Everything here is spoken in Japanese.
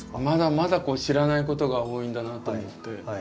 まだまだ知らないことが多いんだなと思って。